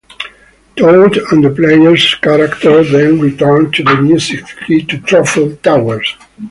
Toad and the player's character then return the Music Keys to Truffle Towers.